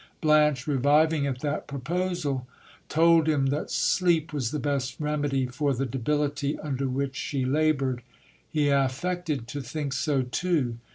Blanche, reviving a t that proposal, told him that sleep was the best remedy for the debility under which she laboured. He affected to think so too.